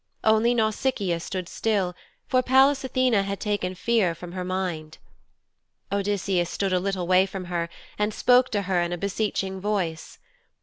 Only Nausicaa stood still, for Pallas Athene had taken fear from her mind. Odysseus stood a little way from her and spoke to her in a beseeching voice.